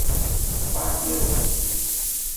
¿partieron?